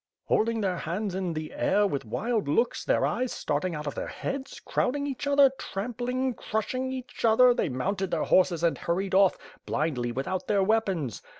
Holding their hands in the air with wild looks, their eyes starting out of their heads^ crowding each other, trampling, crushing each other, they mounted their horses and hurried oflE, blindly without their weapons.